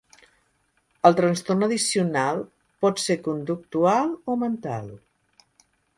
El trastorn addicional pot ser conductual o mental.